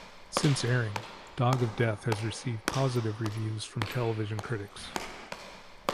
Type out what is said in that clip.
Since airing, "Dog of Death" has received positive reviews from television critics.